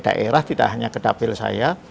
daerah tidak hanya ke dapil saya